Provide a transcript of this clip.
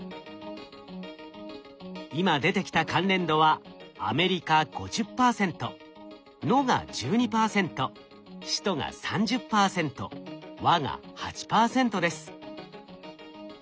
今出てきた関連度は「アメリカ」５０％「の」が１２％「首都」が３０％「は」が８％です。